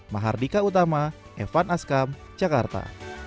mahardika utama evan askam jakarta